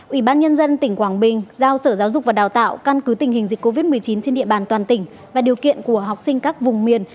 ubnd tỉnh quảng bình giao sở giáo dục và đào tạo căn cứ tình hình dịch covid một mươi chín trên địa bàn toàn tỉnh và điều kiện của học sinh các vùng miền